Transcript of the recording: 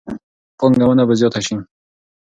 پانګونه به زیاته شي.